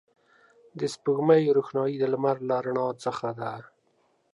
د سپوږمۍ روښنایي د لمر له رڼا څخه ده